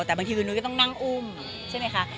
แต่บางทีคุณนุ้ยก็ต้องนั่งอุ้มใช่ไหมคะ